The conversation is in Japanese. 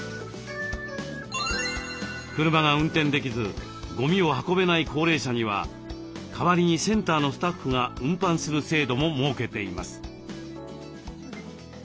車が運転できずゴミを運べない高齢者には代わりにセンターのスタッフが運搬する制度も設けています。